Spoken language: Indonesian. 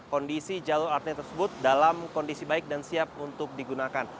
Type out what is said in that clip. kondisi jalur alternatif tersebut dalam kondisi baik dan siap untuk digunakan